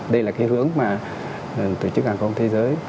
đây là cái hướng mà tổ chức hàng không thế giới